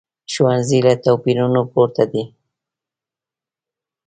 ښوونځی له توپیرونو پورته دی